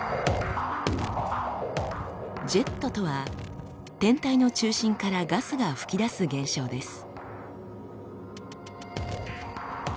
「ジェット」とは天体の中心からガスが噴き出す現象です。